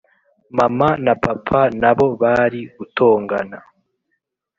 Mama na papa nabo bari gutongana